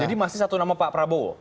jadi masih satu nama pak prabowo